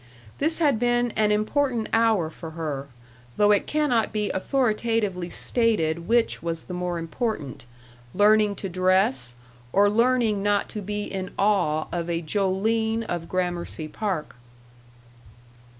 This had been an important hour for her, though it cannot be authoritatively stated which was the more important learning to dress, or learning not to be in awe of a Joline of Gramercy Park.